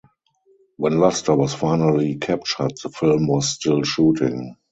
When Luster was finally captured, the film was still shooting.